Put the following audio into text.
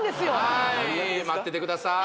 はい待っててください